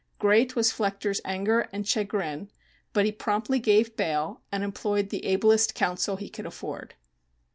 Great was Flechter's anger and chagrin, but he promptly gave bail and employed the ablest counsel he could afford.